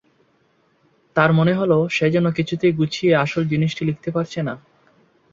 তার মনে হলো, সে যেন কিছুতেই গুছিয়ে আসল জিনিসটি লিখতে পারছে না।